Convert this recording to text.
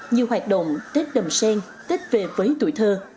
như hoạt động tết đầm sen tết về với tuổi thơ